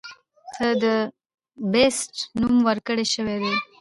ته د “The Beast” نوم ورکړے شوے دے.